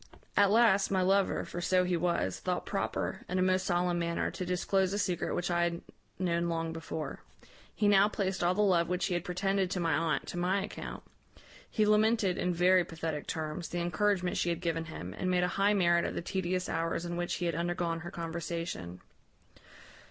"At last, my lover (for so he was) thought proper, in a most solemn manner, to disclose a secret which I had known long before. He now placed all the love which he had pretended to my aunt to my account. He lamented, in very pathetic terms, the encouragement she had given him, and made a high merit of the tedious hours in which he had undergone her conversation.